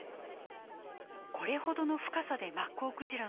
これほどの深さでマッコウクジラ